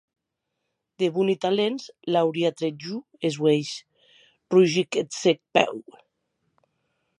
De boni talents l’auria trèt jo es uelhs, rugic eth cèc Pew.